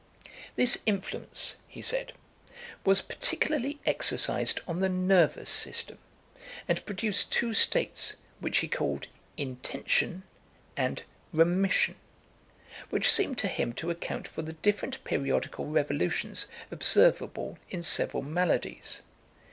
This influence, he said, was particularly exercised on the nervous system, and produced two states, which he called intension and remission, which seemed to him to account for the different periodical revolutions observable in several maladies.